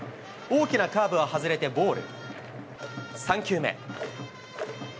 大きなカーブは外れてボール。